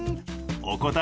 お答え